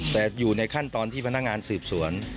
แต่อยู่ในขั้นตอนที่พนักงานสืบสวน